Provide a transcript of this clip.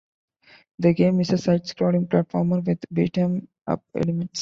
The game is a side-scrolling platformer with beat 'em up elements.